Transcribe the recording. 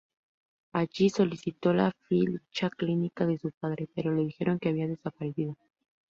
Allí solicitó la ficha clínica de su padre, pero le dijeron que había desaparecido.